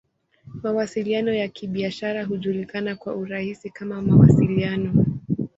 Mawasiliano ya Kibiashara hujulikana kwa urahisi kama "Mawasiliano.